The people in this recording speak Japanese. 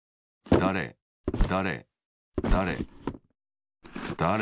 だれだれだれだれ